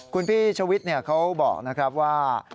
คุณพี่ชวิตเขาบอกนะครับว่า